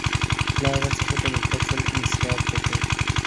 • له هغه څخه په نفرت سره انصراف وکړ.